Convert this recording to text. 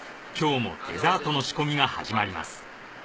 今日もデザートの仕込みが始まります